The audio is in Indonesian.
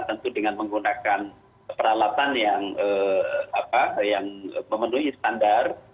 tentu dengan menggunakan peralatan yang memenuhi standar